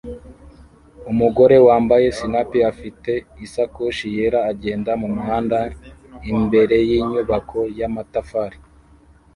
Umugore wambaye sinapi afite isakoshi yera agenda mumuhanda imbere yinyubako yamatafari